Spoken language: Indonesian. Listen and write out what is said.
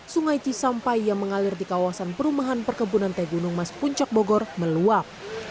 sungai cisampai yang mengalir di kawasan perumahan perkebunan teh gunung mas puncak bogor meluap